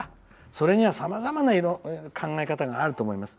それにはさまざまな考え方があると思います。